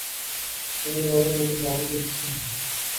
আমি বাবার মুকুট বহন করছি।